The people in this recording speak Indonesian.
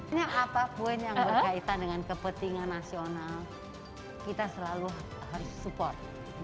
ini apapun yang berkaitan dengan kepentingan nasional kita selalu harus support